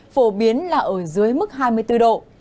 phổ biến là ở dưới mức hai mươi bốn độ